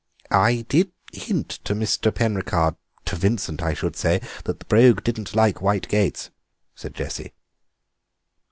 "I did hint to Mr. Penricarde—to Vincent, I should say—that the Brogue didn't like white gates," said Jessie.